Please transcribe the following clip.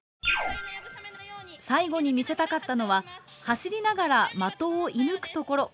最後に見せたかったのは走りながら的を射ぬくところ。